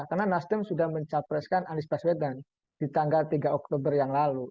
karena nasdem sudah mencapreskan anies baswedan di tanggal tiga oktober yang lalu